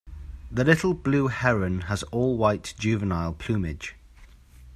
The little blue heron has all-white juvenile plumage.